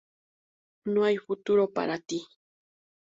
No hay futuro para ti.